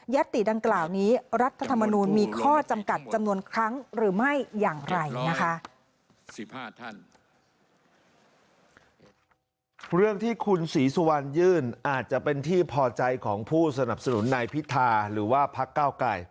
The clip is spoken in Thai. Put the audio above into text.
ติดังกล่าวนี้รัฐธรรมนูลมีข้อจำกัดจำนวนครั้งหรือไม่อย่างไรนะคะ